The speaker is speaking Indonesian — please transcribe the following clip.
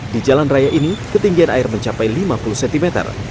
di jalan raya ini ketinggian air mencapai lima puluh cm